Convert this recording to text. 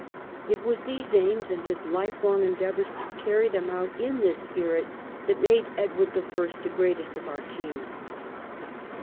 It was these aims, and his lifelong endeavours to carry them out in this spirit, that made Edward I. the greatest of our kings.